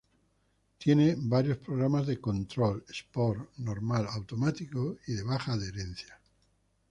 Tiene varios programas de control: sport, normal, automático y de baja adherencia.